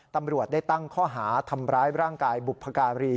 ตำรวจได้ตั้งข้อหาทำร้ายร่างกายบุพการี